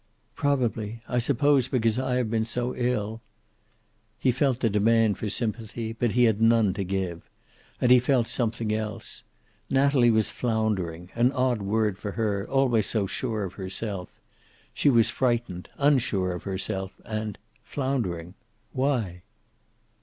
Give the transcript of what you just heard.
"Probably. I suppose, because I have been so ill " He felt the demand for sympathy, but he had none to give. And he felt something else. Natalie was floundering, an odd word for her, always so sure of herself. She was frightened, unsure of herself, and floundering. Why?